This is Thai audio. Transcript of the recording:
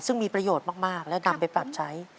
ซึ่งมีประโยชน์มากและนำไปปรับใช้